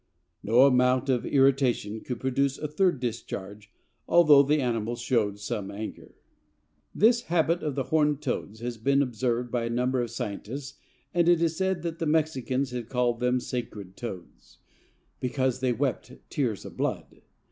"No amount of irritation could produce a third discharge, although the animal showed some anger." This habit of the Horned Toads has been observed by a number of scientists and it is said that the Mexicans have called them Sacred Toads, "because they wept tears of blood."